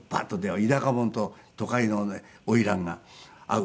田舎者と都会のね花魁が会う。